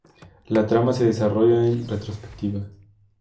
La trama se desarrolla en retrospectiva.